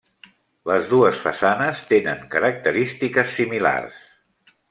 Les dues façanes tenen característiques similars.